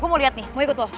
gue mau liat nih mau ikut lu